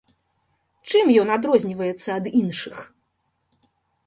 Чым ён адрозніваецца ад іншых?